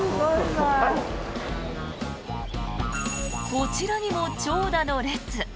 こちらにも長蛇の列。